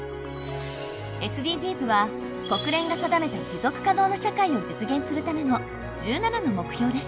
ＳＤＧｓは国連が定めた持続可能な社会を実現するための１７の目標です。